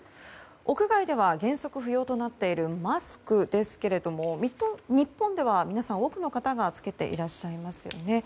屋外では原則不要となっているマスクですけれども日本では皆さん多くの方が着けていらっしゃいますよね。